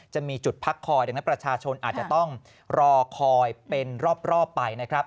จะมีจุดพักคอยดังนั้นประชาชนอาจจะต้องรอคอยเป็นรอบไปนะครับ